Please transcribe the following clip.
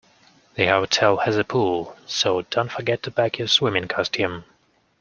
The hotel has a pool, so don't forget to pack your swimming costume